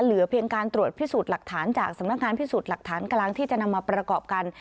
เหลือเพียงการตรวจพิสูจน์หลักฐานจากสำนักงานพิสูจน์หลักฐานกลางที่จะนำมาประกอบกัน